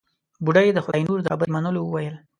بوډۍ د خداينور د خبرې منلو وويل.